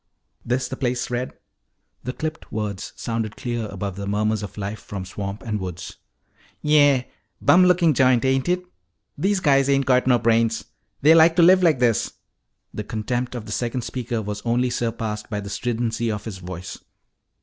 "This the place, Red?" The clipped words sounded clear above the murmurs of life from swamp and woods. "Yeah. Bum lookin' joint, ain't it? These guys ain't got no brains; they like to live like this." The contempt of the second speaker was only surpassed by the stridency of his voice.